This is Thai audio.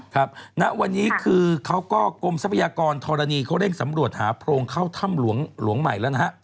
ครับณวันนี้คือเขาก็กรมทรัพยากรธรณีเขาเร่งสำรวจหาโพรงเข้าถ้ำหลวงใหม่แล้วนะฮะ